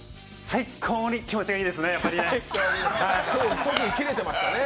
最高に気持ちがいいですねやっぱりね。